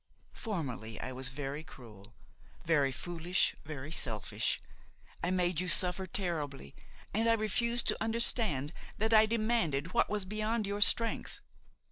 Formerly I was very cruel, very foolish, very selfish. I made you suffer terribly, and I refused to understand that I demanded what was beyond your strength.